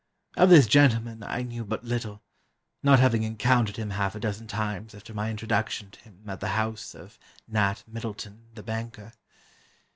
Of this gentleman I knew but little, not having encountered him half a dozen times after my introduction to him at the house of Nat Middleton, the banker.